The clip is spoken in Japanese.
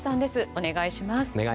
お願いします。